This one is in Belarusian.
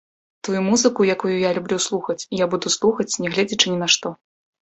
Тую музыку, якую я люблю слухаць, я буду слухаць нягледзячы ні на што.